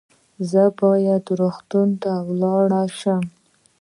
زه باید روغتون ته ولاړ سم